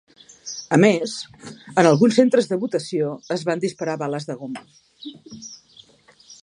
A més, en alguns centres de votació es van disparar bales de goma.